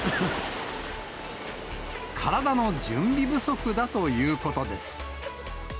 体の準備不足だということです。